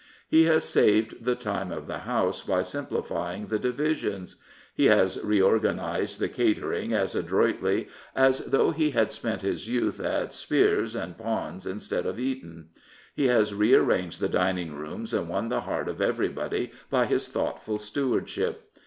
He has saved the time of the House by simplifying the divisions ; he has reorganised the catering as adroitly as though he had spent his youth at Spiers and Pond's instead of Eton ; he has rearranged the dining rooms and won the heart of everybody by his thoughtful stewardship.